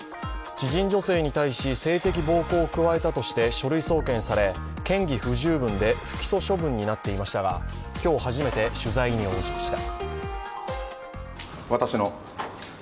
知人女性に対し性的暴行を加えたとして書類送検され嫌疑不十分で不起訴処分になっていましたが今日、初めて取材に応じました。